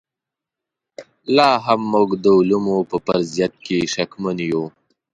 لاهم موږ د علومو په فرضیت کې شکمن یو.